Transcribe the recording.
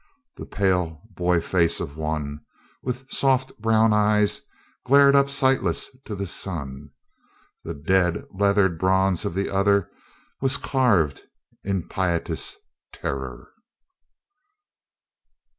The pale boy face of one, with soft brown eyes glared up sightless to the sun; the dead, leathered bronze of the other was carved in piteous terror.